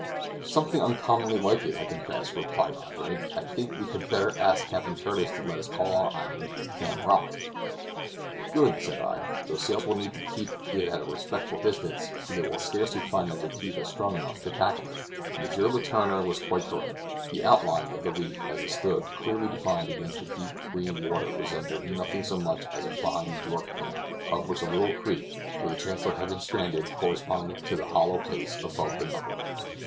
"Something uncommonly like it, I confess," replied Andre. "I think we had better ask Captain Curtis to let us call our island Ham Rock." "Good," said I; "though sailors will need to keep it at a respectful distance, for they will scarcely find that their teeth are strong enough to tackle it." M. Letourneur was quite correct; the outline of the reef as it stood clearly defined against the deep green water resembled nothing so much as a fine York ham, of which the little creek, where the Chancellor had been stranded, corresponded to the hollow place above the knuckle.